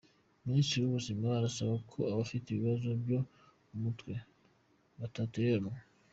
Minisitiri w’Ubuzima arasaba ko abafite ibibazo byo mu mutwe batatereranwa